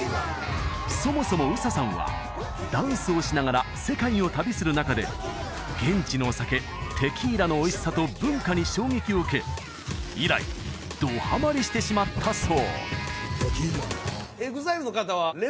そもそもＵＳＡさんはダンスをしながら世界を旅する中で現地のお酒テキーラのおいしさと文化に衝撃を受け以来どハマりしてしまったそうそうですね